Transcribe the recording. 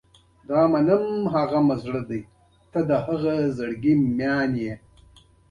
احمد په یوه کال کې نوی موټرسایکل پرزه پرزه کړ.